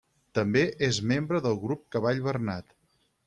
També és membre del Grup Cavall Bernat.